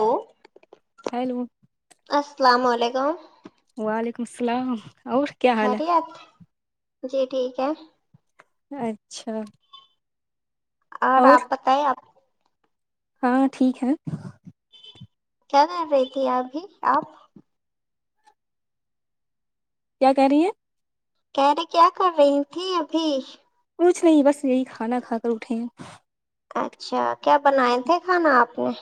hello hello السلام علیکم وعلیکم السلام اور کیا حال ہے خیریت جی ٹھیک ہے اچھا اور آپ بتائیں آپ ہاں ٹھیک ہے کیا کر رہی تھی ابھی آپ کیا کہہ رہی ہے کہنےے کیا کر رہی تھیں ابھی کچھ نہیں بس یہی کھانا کھا کر اٹھے اچھا کیا بنائے تھے کھانا آپ نے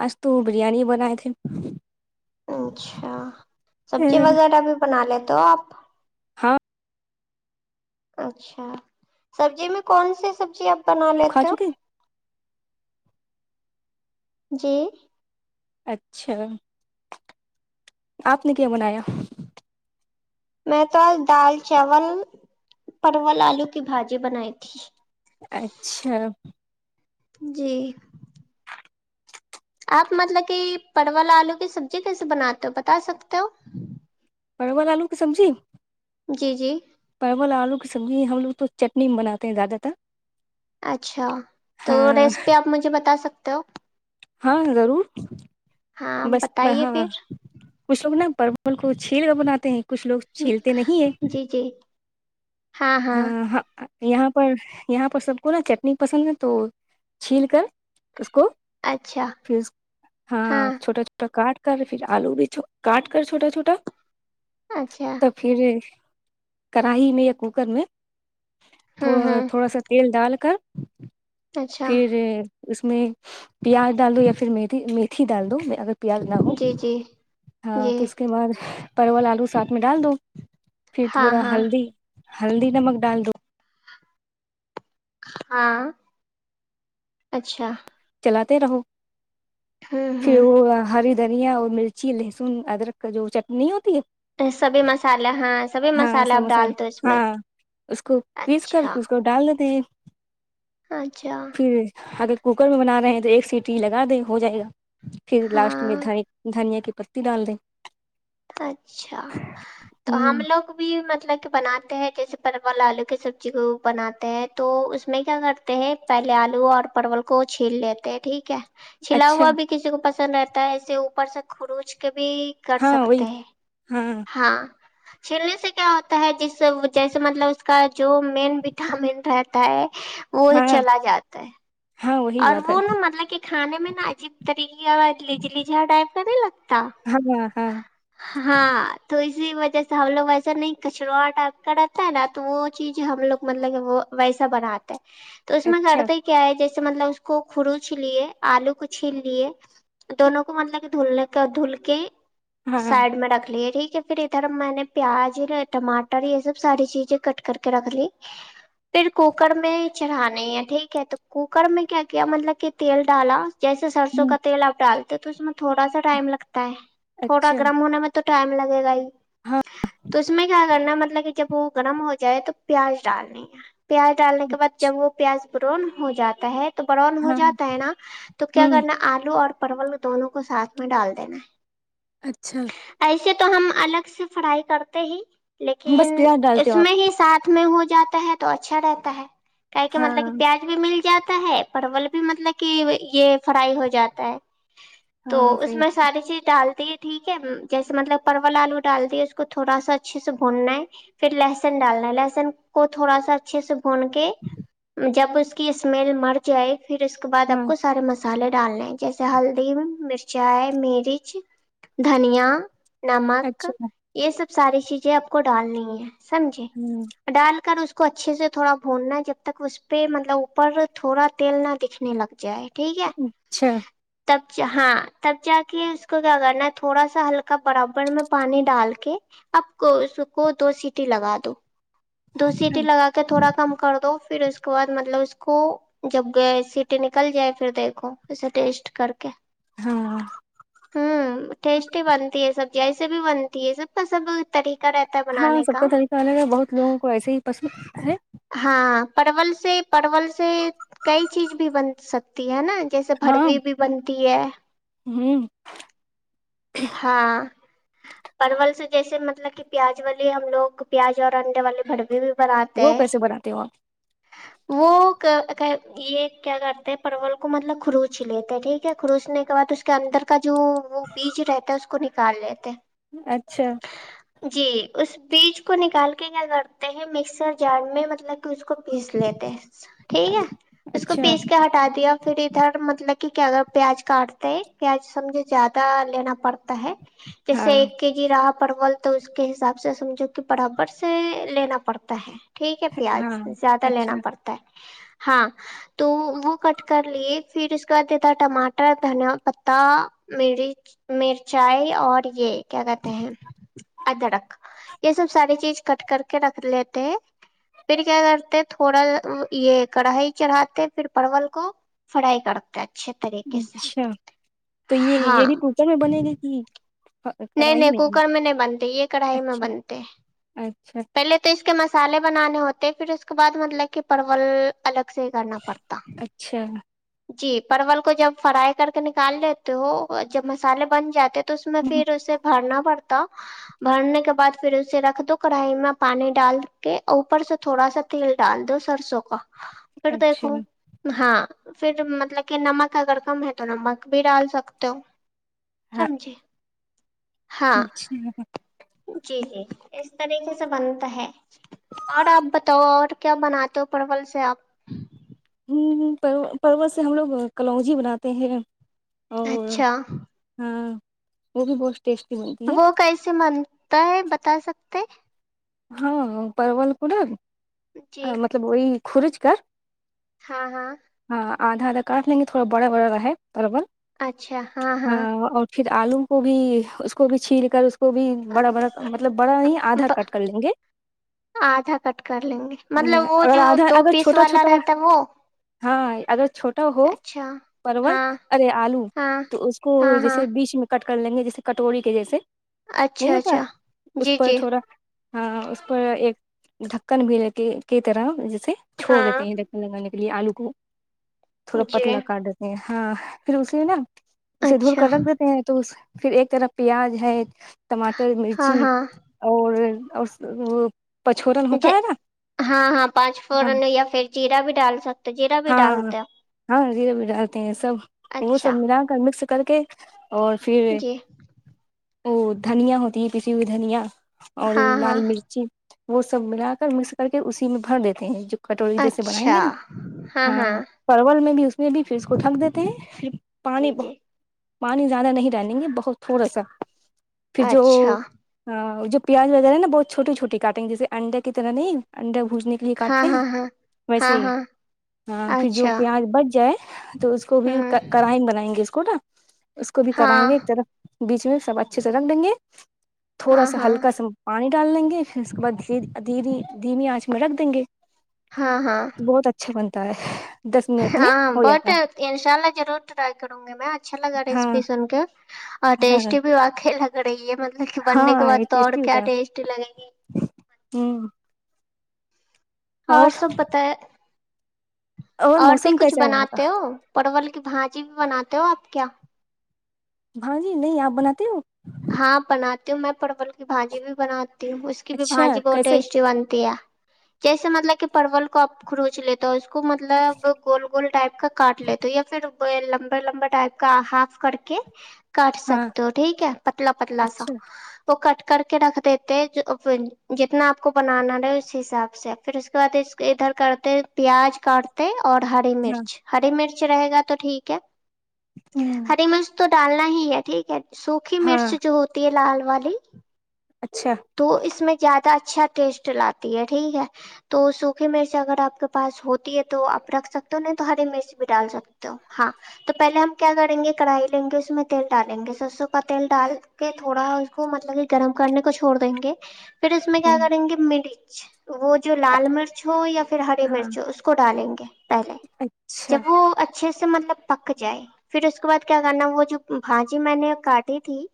آج تو بریانی بنائے تھے اچھا سبزی وغیرہ بھی بنا لیتے دپ [unintelligible] ہاں اچھا سبزی میں کون سےی سبزی اب بنا کھا لیتے ہو چکے جی اچھا آپ نے کیا بنایا میں تو آج دال چاول پرول آلو کی بھجی بنائی تھی اچھا جی آپ مطلب کہ پرول آلو کی سبزی کیسے بناتے ہو بتا سکتے ہو پرول آلو کی سبزی جی جی پرول آلو سبزی ہم لوگ تو چٹنی بناتے ہیں دیاادہ ت اچھا تو ریسپی آپ مجھے بتا سکتے تو ہاں ضرور ہاں بس بتائیے ہاں پھر کچھ لوگ نا پرمل کو چھیل کر بناتے ہیں کچھ لوگ چھیلتے نہیں ہے جی جی ہاں ہ یہاں پر یہاں پر سب کو نا چٹنی پسند ہے تو چھیل کر اس کو اچھا فز ہاں چھوٹا چھوٹا کارڈ کر پھر آلو بھی چھ کاٹ کر چھوٹا چھوٹا اچھا تو پھر کری میں یا کوکر میں تھو ہوں ہوں تھوڑا سا تیل ڈال کر اچھا پھر اس میں پیاز ڈال دو یا پھر مھی میتھی ڈال دو اگر پیاز نہ ہ جی جی ہاں جی تو اس کے بعد پرول آلو ساتھ میں ڈال دو پھر ہاں تھوڑا ہاں ہلدی ہلدی نمک ڈال دو ہاں اچھا چلاتے رہو ہوں پھر ہوں وہ ہری دھیا اور مرچی لہسن ادرک کا جو چٹنی ہوتی ہے سبھی مسالے ہاں سبھی ہاں مسالے آپ سموسا ڈال دو اس میں ہاں اس کو پیس کر اچھا اس کو ڈال دیتے ہیں اچھا پھر ہد کوکر میں بنا رہ ہیں تو ایک سیٹی لگا دیں ہو جائے گا پھر لاسٹ ہاں میں دنی دھنیا کے پتی ڈال د اچھا تو ہم ہوں لوگ بھی مب مل کہ بناتے ہیں جیسے پرول آلو کی سبزی کو بناتے ہیں تو اس میں کیا کرتے ہیں پہلے آلو اور پرول کو چھیل لیتے ہیں ٹھیک ہے چھلا اچھا ہوا بھی کسی کو پس رہتا ہے اسے اوپر سے کروچ کے بھی کر ہاں وہی سکتے ہاں چھیلنے سے کیا ہوتا ہے جس جیسے مطلب کا جو مین وٹامن رہتا ہے وہ ہاں چلا جاتا ہے ہاں وہی اور بات ہے وہ نا مطلب کہ کھانے میں نا عجیب طریقے کا لیج لیجا ٹائپ کا نہیں لگتا ہاں ہاں ہاں تو اسی وجہ سے ہم لوگ ویسا نہیں کچروا ٹائپ کا رہتا ہے نا تو وہ چیز ہم لوگ مطلب وہ ویسا بناتے تو اس میں اچھا کرتا ہی کیا ہے ج جے مطلب اس کو کرو چ لیے آلو کو چھیل لیے دونوں کو مطلب کہ دھلنے کا دھل کے ہاں ہ سائڈ میں رکھ لیے ٹھیک یک پھر ادھر میں نے پیاز ٹماٹر یہ سب ساری چیزیں کٹ کر کے رکھ لی پھر کوکر میں چڑھانے ہے ٹھیک ہے تو کوکر میں کیا کیا مطلب کہ تیل ڈالا جیسے سرسوں کا تیل اب ڈال تو اس میں تھوڑا سا ٹائم لگتا تھوڑا اچھا گرم ہونے میں تو ٹائم لگے گا ہی ہاں توس میں کیا کرنا مطلب مطل کہ جب وہ گرم ہو جائے تو پیاز ڈالنی ہے پیاز ڈالنے کے بعد جب وہ پیاز پرن ہو جاتا ہے تو براؤن ہو ہاں جاتا ہے نا تو کیا ہوں کرنا آلو اور پرول دونوں کو ساتھ میں ڈال دینا ہے اچھا ایسے تو ہم الگ سے فرائی کرتے ہی بس لیکن پیاز ڈالتے اس ہو آپ میں ہی ساتھ میں ہو جاتا ہے تو اچھا رہتا ہے کہہ کے ہاں مطلب کہ پیاج بھی مل جاتا ہے پرول بھی مطلب کہ یہ فرائی ہو جاتا ہے تو ہاں اس صحیح میں ساری چیز ڈال ٹھیک ہے جیسے مطلب پرول آلو ڈالتی ہے اس کو تھوڑا سا اچھے سے بھوننا ہے پھر لہسن ڈالنا ہے لہسن کو تھوڑا سا اچھے سے بھون کے جب اس کی اسمیل مر جائے پھر اس کے بع آپ ہاں کو سارا مس مسالے ڈالنے جیسے ہلدی مرچائے مرچ دھنیا ن مک اچھا یہ س ساری چیزیں آپ کو ڈالنی ہے سمجھے ہ ڈال کر اس اس کو اچھے سے تھوڑا بھوننا جب تک اس پہ مطلب پر تھوڑا تیل نہ دکھنے لگ جائے ٹھیک ہے اچھا تب ہاں تب جا کے اس کو کیا کرنا تھوڑا سا ہلکا برابر میں پانی ڈال کے اب کو اس کو دو سیٹی لگا دو دو سیٹی لگا کے تھوڑا کم کر دو پھر اس مطلب اس اس کو جب گ سٹی نکل جائے پھر دیکھو اسے ٹیسٹ کر کے ہاں ہوں ٹیسٹی بنتی ہے سب جیسے بھی بنتی ہے سب کا سب طریق ہاں سب کا طریقہ الگ ہے بہت لوگوں کو ایسے ہی پسند ہے ہاں پرل سے پرل سے کئی چیز بھی بن سکتی ہے نا جیسے ہاں بروی بھی بنتی ہے ہوں ہاں پرل سے جیسے م مطلب کہ پیاز والے ہم لوگ پیاز اور انڈے والے بڑوے بھی بناتے ہیں د ہو وہ یہ کیا کرتے پرول کو مطلب کروچ لیتے ٹھیک ہے کروسنے کے بعد اس کے اندر کا جو وہ بیج رہتا ہے اس کو نکال لیتے اچھا جی اس بیج کو نکال کے کیا کرتے ہیں مکسر جارڈ میں ملب اس کو پیس لیتے ٹھیک ہے اس کو اچھا پیس کے ہٹا دیا پھر ادھر مطلب کہ کیا اگر پیاز کاٹتے ہیں پیاز سمجھے زیادہ لینا پڑتا ہے جسے ہاں ایک جی رات پرول تو اس کے حساب سے سمجھو کہ برابر سے لینا پڑتا ہے ٹھیک پیاز ہاں زیادہ لینا اچھا پڑتا ہے ہاں تو وہ کٹ کر لیے پھر اس کے بعد یہ تھا ٹماٹر دھنیا پتا مچ مرچائی اور یہ کیا کہتے ہیں ادڑک یہ سب ساری چیز کٹ کر کے رکھ لیتے ہیں پھر کیا کرتے تھوڑا یہ کڑھائی چڑھاتے پھر پرول کو فرائی کرتے ہیں اچھا تو یہ ہاں یہ بھی کرچر میں بنے گی کہ نہیں کڑاہی نہیں بنے کوکر میں نہیں بنتے یہ کڑھائی میں اچھا بنتے اچھا پہلے تو اس کے مسالے بنانے ہوتے پھر اس کے بعد مطلب کہ پرول الگ سے ہی کرنا پڑتا اچھا جی پرول کو جب فرائی کر کے نکال لیتے ہو جب مسالے بن جاتے تو تو اس میں ہوں، پھر اسے بھرنا بڑتا بھرنے کے بعد پھر اسے رکھ دو کڑھائی میں پانی ڈال کے اوپر سے تھوڑا سا تیل ڈال دو سرسوں کا اچھا اھو ہاں پھر مطلب کہ نمک اگر کم ہے تو نمک بھی ڈال سکتے ہو ہاں سمجھے ہاں اچھا ہاں جی جی اس طریقے سے بنتا ہے اور آپ بتاؤ اور کیا بناتے ہو پرل سے آپ ہ پروت سے ہم لوگ کلوجی بناتے ہیں اور اچھا ہاں وہ بھی بس وہ کیسے مانتا ہے بتا سکتا [inaudible] ہاں پروول پورا جی مطلب وہی خورج کر ہاں ہاں آدھار کاٹ لیں گے تھوڑا بڑا بڑا ہے برابر ہاں اور پھر آلو کو بھی اس کو بھی چھیل کر اس کو بھی بڑا بڑا مطلب بڑا نہیں آدھا لیں گے آدھا کٹ کر لیں گے مطلب وہ ا جو آدھا دو اگر پیس چھوٹا والا چھوٹا رہتا ہے وہ ہاں اگر چھوٹا ہو اچھا پرول ہاں ارے آلو ہاں تو اس کو ہاں ہاں جیسے بیچ میں کٹ کر لیں گے جیس کٹوری کے جیسے اچھا نہیں ہوتا اچھا جی اس پر جی تھوڑا ہاں اس پ ایک ڈھکن بھی کی طرح سے چھوڑ ہاں دیتے ہیں دیکھنے لگانے لیے آلو کو تھوڑا جی پتلا کر دتے ہیں ہاں پھر اسی نا اسے دھول اچھا کر رکھ دیتے ہیں تو اس پھر ایک طرف پیاز ہے ٹماٹر ہاں مرچی ہاں اور اور وہ ہاں ہاں پانچ نا فورن ہو یا پھر جیرا بھی ڈال سکتے جیرا بھی ہاں ڈالتے ہوپ ہاں زیرہ بھی ڈالتے ہیں سب وہ اچھا سب ملا کر مکس کر کے اور پھر جی او دھنیا ہوتی ہے پسی ہوئی دھنیا اور ہاں ہاں لال مرچی وہ سب ملا کر مکس کر کے اسی میں بھر دیتے ہیں جو کٹوری جیسے بنائیں اچھا گے نا ہاں پرول میں بھی اس بھی پھر اس کو ٹنک دیتے ہیں پھر پانی جی جی پانی زیادہ نہیں رہیں گے بہت تھوڑا سا پھر جو اچھا جو پیاز وغیرہا بہت چوٹی چوٹی کاٹیں گ جسے انڈے کی طرح نہیں انڈ پھجنے کے لیے ہاں کاٹتے ہیں ہاں ہاں ویسے ہاں ہی ہاں ہاں پھر جو اچھا پیاز بچ جائے تو اس کو بھی ہوں کرائن بنائیں گے اس کو نا اس کو بھی ہاں کریں میں ایک طرف بیچ میں سب اچھے سے رکھ دیں گے تھوڑا ہاں سا ہاں ہلکا سا پانی ڈال لیں گے پھر اس کے بعدھیر دھیے دھیمی آنچ میں رکھ دیں گے ہاں ہاں تو ہاں بٹ انشاء اللہ ضرور ٹائی کروں گ میں اچھا لگا ہے ہاں رسیپ سن کے اور ہاں ٹیسٹی بھی وقی لگتا کر گے مطلب کہ بننے کے ہاں یہ بعد تو اور ٹیسٹی کیا ٹیسٹ لگے گی ہوں اوراں سب بتائے اور بھی موسم کچھ کیسا ہے وہاں کا بناتے ہو پرول کی بھج سی بھی بناتے ہو آپ کیا ہھاں جی نہیں آپ بناتے ہو ہاں بناتی ہوں میں پرول کی بھاجی بھی بناتیوں اس کی بھی اچھا بھجی بہت کیسے ٹیسٹی بنتی ہے جیسے مطلب کہ پرول کو آپ خروچ لیتا ہو اس کو مطلب گول گول ٹائپ کا کاٹ لیتے یا پھر [unintelligible] لمبے لمبا ٹائپ کا ہاف کر کے [unintelligible] کٹ ہاں سکتے ہو ٹھیک ہے [unintelligible] پتلا پتلا سا اچھا وہ کٹ [unintelligible] کر کے رکھ دیتے جتنا آپ کو بنانا رہے اس حساب سے پھر اس کے بعد اس ادھر کرتے پیاز کاٹتے [unintelligible] اور ہری ہاں مرچ ہری مرچ رہے گا تو ٹھیک ہے [unintelligible] ہوں ہری منس تو [unintelligible] ڈالنا ہی ہے ٹھیک ہے س مکھی ہاں مرچ جو ہوتی ہے لال والالی اچھا تو اس میں زیادہ اچھا ٹیسٹ لاتی ہے ٹھیک ہے تو سوکے مرچ اگر آپ کے پاس ہوتی ہے تو آپ رکھ سکتے ہو نہیں تو ہری مرچ بھی ڈال سکتے ہو ہاں تو پہلے ہم کیا کریں گے کڑھائی لیں گے اس میں تیل ڈالیں گے سرسوں کا تیل ڈال کے تھوڑا اس کو مطلب کہ گرم کرنے کچ چھوڑ دیں گے پھر اس میں کیا ہوں کریں گے میڈک اچھا [unintelligible] [inaudible] وہ جو ا- لال مرچ ہو یا پھر ہری ہاں مرچ ہو اس کو ڈالیں گے پہلے اچھا جب وہ اچھے سے مطلب پک جائے پھر اس کے بعد کیا کرنا وہ جو بھاجی میں نے کاٹی تھی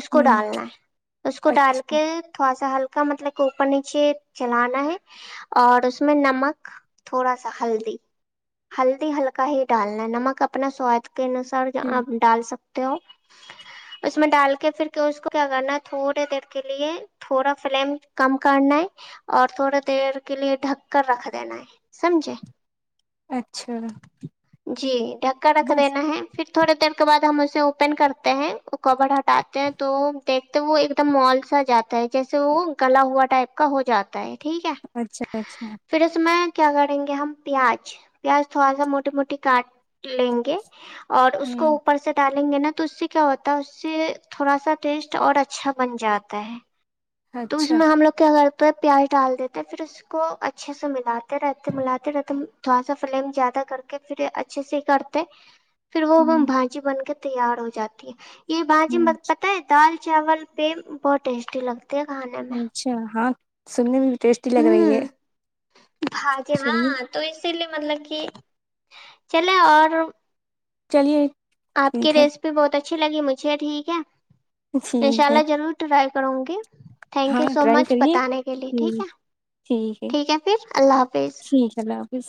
اس کو ہوں ڈالنا ہے اس ڈال اچھا کے تھ تھوڑا سا ہلکا مطلب اوپر نیچے چلانا ہے اور اس میں نمک تھوڑا سا ہلدی ہلدی ہلکا ہی ڈالنا ہے نمک اپنا سواد کے انسار ہوں آپ ڈال سکتے اس میں ڈال کے پھر اس کو کیا کرنا تھوڑا تھوڑی دیر کے لیے تھوڑا فلیم کم کرنا ہے اور تھوڑے دیر کے لیے ڈھک کر رکھ دینا ہے سمجھے اچھا جی ڈھکا رکھ بس دینا ہے پھر تھوڑے دیر کے بعد ہم اس اوپن کرتے ہیں وہ کبر ہٹاتے ہیں تو دیکھتے وہ ایک تم مالس آ جاتا ہے جیسے وہ گلا ہوا ٹائپ کا ہو جاتا ہے ٹھیک ہے اچھا اچھا پھر اس میں کیا کریں گے ہم پیاز پیاز تھوڑا سا موٹی موٹی کاٹ لیں گے اور اس کو ہوں اوپر سے ڈال لیں گے نا تو اس سے کیا ہوتا ہے اس سے تھوڑا سا ٹیسٹ اور اچھا بن جاتا ہے تو اس اچھا میں ہم لوگ کیا کر تو پیاز ڈال دیتے پھر اس کو اچھے سے ملاتے رہتے ملاتے رہتے تھوڑا سا فلیم زیادہ کر کے پھر اچھے سے ہی کرتے پھر وہ ہوں بھاجی بن کے تیار ہو جاتی ہے یہ بھاجی ہوں میں پت ہے دال چاول پہ بہت ٹیسٹی لگتا ہے کھانے میں اچھا ہاں سنی ٹیسٹی لگ رہی ہے ہوں بھاجی چلیے ہاں تو اسی لیے مطلب کہ چلے اور چلیے آپ کی ٹھیک ہے ریسیپی بہت اچھی اچھی لگی مجھے ٹھیک ہے انشاء ٹھیک ہے اللہ ضرور ٹرائے کروں گی تھینک ہاں یو سو ٹرائی مچ کریے بتانے کے لیے ٹھیک ہے ٹھیک ہے پھر اللہ حافظ ٹھیک ہے اللہ حافظ